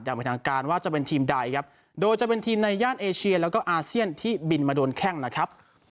ไปทางการว่าจะเป็นทีมใดครับโดยจะเป็นทีมในย่านเอเชียแล้วก็อาเซียนที่บินมาโดนแข้งนะครับ